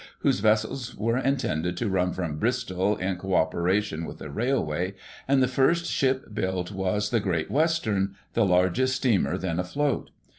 whose vessels were intended to run from Bristol in co opera tion with the railway, and the first ship built was the Great Western, the leirgest steamer then afloat.